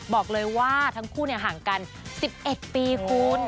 บอกเลยว่าทั้งคู่ห่างกัน๑๑ปีคุณ